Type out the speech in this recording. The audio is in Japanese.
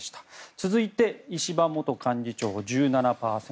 続いて、石破元幹事長１７％。